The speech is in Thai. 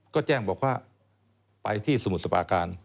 ก็แจ้งบอกว่าไปที่สมุทรสปาการ